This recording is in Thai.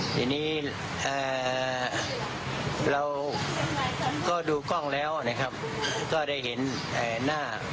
ทีนี้เราก็ดูกล้องแล้วนะครับก็ได้เห็นหน้า